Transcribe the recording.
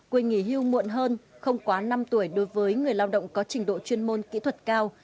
quê nghỉ hưu muộn hơn không quá năm tuổi đối với người lao động có trình độ chuyên môn kỹ thuật cao